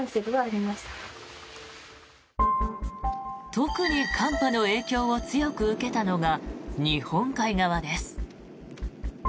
特に寒波の影響を強く受けたのが日本海側です。